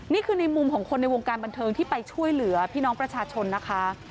นี่คือในมุมของคนในวงการบันเทิงที่ไปช่วยเหลือพี่น้องประชาชนนะคะ